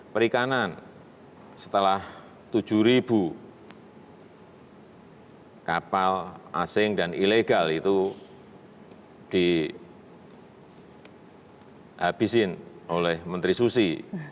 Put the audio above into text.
perikanan setelah tujuh ribu kapal asing dan ilegal itu dihabisin oleh menteri susi